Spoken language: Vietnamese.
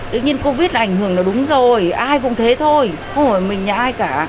tuy nhiên covid ảnh hưởng là đúng rồi ai cũng thế thôi không phải mình hay ai cả